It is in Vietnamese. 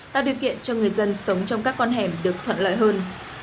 tạo điều kiện cho người dân sống trong các con hẻm được thuận lợi hơn